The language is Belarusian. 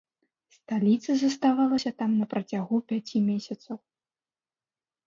Сталіца заставалася там на працягу пяці месяцаў.